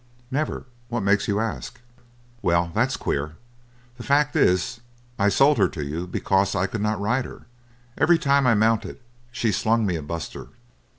"Never. What makes you ask?" "Well, that's queer. The fact is I sold her to you because I could not ride her. Every time I mounted, she slung me a buster."